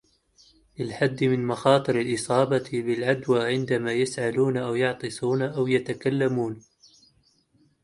للحد من مخاطر الإصابة بالعدوى عندما يسعلون أو يعطسون أو يتكلمون